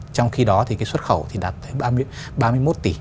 trong khi đó thì cái xuất khẩu thì đạt ba mươi một tỷ